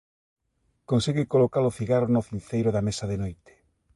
Consegue coloca-lo cigarro no cinceiro da mesa de noite.